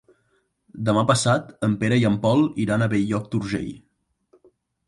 Demà passat en Pere i en Pol iran a Bell-lloc d'Urgell.